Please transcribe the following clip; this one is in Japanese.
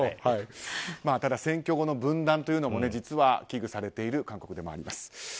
ただ、選挙後の分断というのも実は危惧されている韓国でもあります。